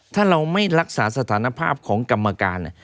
ถ้าเราไม่รักษาสถานภาพของกรรมการ